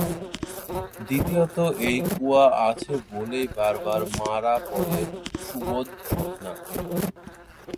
দ্বিতীয়ত এই কুয়া আছে বলেই বারবার মারা পড়ে সুবোধ-স্বপ্না।